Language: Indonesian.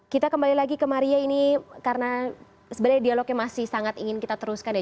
kita kembali lagi ke maria ini karena sebenarnya dialognya masih sangat ingin kita teruskan ya